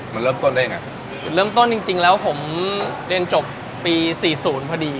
มันเริ่มต้นได้ยังไงจุดเริ่มต้นจริงจริงแล้วผมเรียนจบปีสี่ศูนย์พอดี